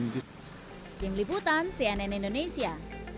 tim liputan cnn indonesia